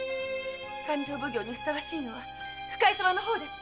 勘定奉行にふさわしいのは深井様の方です。